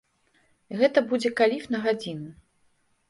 Гэта будзе каліф на гадзіну.